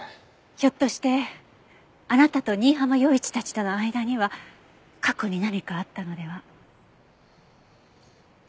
ひょっとしてあなたと新浜陽一たちとの間には過去に何かあったのでは？